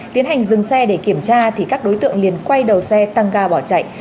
trong cuộc kiểm tra các đối tượng liền quay đầu xe tăng ga bỏ chạy